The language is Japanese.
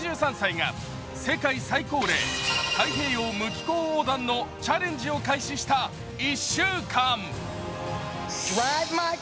８３歳が世界最高齢、太平洋無寄港横断のチャレンジを開始した１週間。